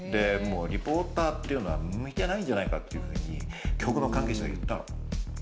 リポーターというのは向いてないんじゃないかって局の関係者が言ったの。